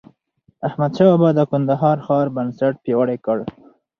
احمدشاه بابا د کندهار ښار بنسټ پیاوړی کړ.